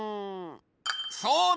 そうだ！